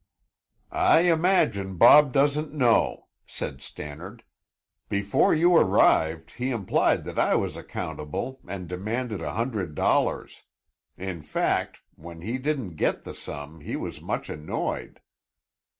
"I imagine Bob doesn't know," said Stannard. "Before you arrived he implied that I was accountable and demanded a hundred dollars. In fact, when he didn't get the sum he was much annoyed."